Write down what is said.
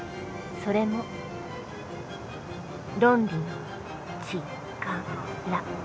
それも「ロンリのちから」。